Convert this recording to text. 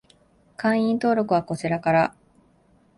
会員登録はこちらから